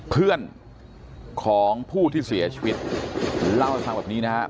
เพื่อนของผู้ที่เสียชีวิตเล่าให้ฟังแบบนี้นะครับ